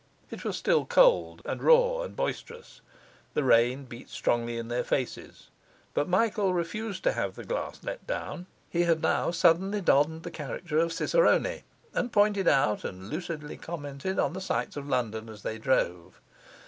It was still cold and raw and boisterous; the rain beat strongly in their faces, but Michael refused to have the glass let down; he had now suddenly donned the character of cicerone, and pointed out and lucidly commented on the sights of London, as they drove.